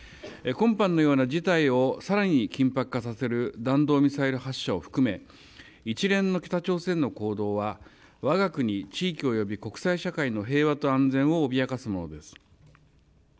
今般のような事態をさらに緊迫化させる弾道ミサイル発射を含め、一連の北朝鮮の行動は、わが国地域および国際社会の平和と安全を脅かすものです。